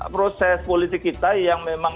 proses politik kita yang memang